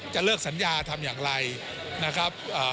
จะเลิกสัญญาทำอย่างไรนะครับ